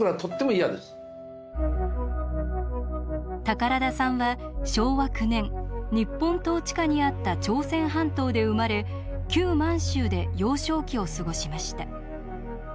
宝田さんは昭和９年日本統治下にあった朝鮮半島で生まれ旧満州で幼少期を過ごしました。